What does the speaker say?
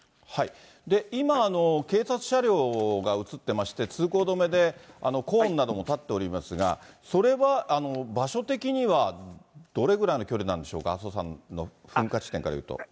今、警察車両が映ってまして、通行止めで、コーンなども立っておりますが、それは場所的にはどれくらいの距離なんでしょうか、阿蘇山の噴火地点からいうと。